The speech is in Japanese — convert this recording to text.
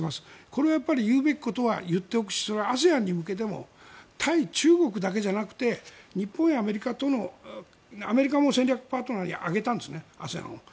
これは言うべきことは言っておくしＡＳＥＡＮに向けても対中国だけじゃなくて日本やアメリカとのアメリカも戦略パートナーに上げたんですね、ＡＳＥＡＮを。